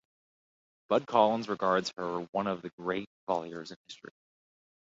Bud Collins regards her one of the great volleyers in history.